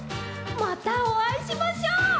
またおあいしましょう。